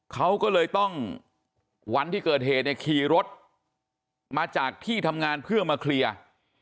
เขาก็เลยต้องวันที่เกิดเหตุเนี่ยขี่รถมาจากที่ทำงานเพื่อมาเคลียร์